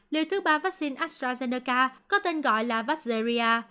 liệu thứ ba vắc xin astrazeneca có tên gọi là vaxzeria